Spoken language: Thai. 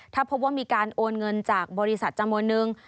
ถ้าพบว่ามีการโอนเงินจากบริษัทจำนวนนึง